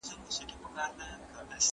زه به سبا پاکوالي وساتم